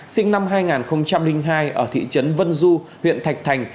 sinh năm hai nghìn hai ở thị trấn vân du huyện thạch thành